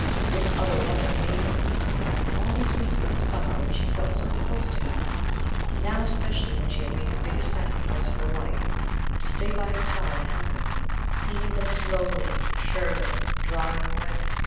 This other love had made it. All these weeks of the summer when she felt so close to him, now especially when she had made the biggest sacrifice of her life to stay by his side and help him, he had been slowly, surely drawing away.